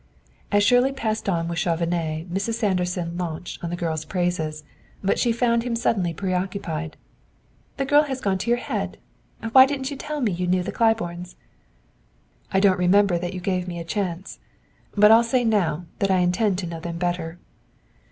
As Shirley passed on with Chauvenet Mrs. Sanderson launched upon the girl's praises, but she found him suddenly preoccupied. "The girl has gone to your head. Why didn't you tell me you knew the Claibornes?" "I don't remember that you gave me a chance; but I'll say now that I intend to know them better."